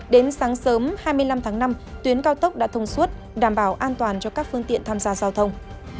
đến sáng sớm hai mươi năm tháng năm tuyến cao tốc đã thông suốt đảm bảo an toàn cho các phương tiện tham gia giao thông